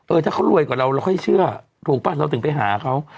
ถ้าเขารวยกว่าเราเราค่อยเชื่อถูกป่ะเราถึงไปหาเขา